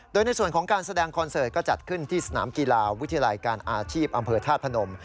โดยในส่วนของการแสดงคอนเสิร์ตก็จัดขึ้นที่สนามกีฬาวิทยาลัยการอาชีพอำเภอธาตุพนม